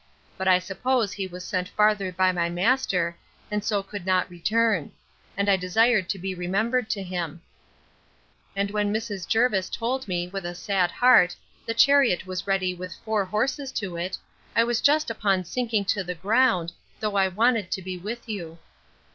But I suppose he was sent farther by my master, and so could not return; and I desired to be remembered to him. And when Mrs. Jervis told me, with a sad heart, the chariot was ready with four horses to it, I was just upon sinking into the ground, though I wanted to be with you.